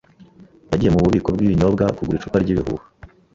yagiye mububiko bwibinyobwa kugura icupa ryibihuha.